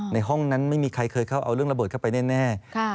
ในห้องนั้นไม่มีใครเคยเข้าเอาเรื่องระเบิดเข้าไปแน่